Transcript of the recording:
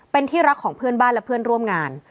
เป็นที่รักของเพื่อนบ้านและเพื่อนร่วมงาน